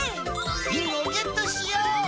リングをゲットしよう！